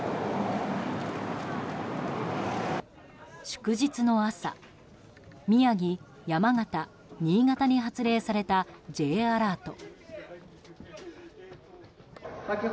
祝日の朝、宮城、山形、新潟に発令されたＪアラート。